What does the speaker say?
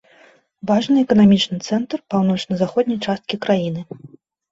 Важны эканамічны цэнтр паўночна-заходняй часткі краіны.